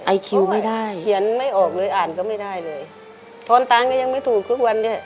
คิวไม่ได้เขียนไม่ออกเลยอ่านก็ไม่ได้เลยทอนตังค์ก็ยังไม่ถูกทุกวันนี้